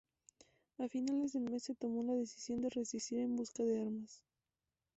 A finales del mes se tomó la decisión de resistir en busca de armas.